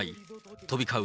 飛び交う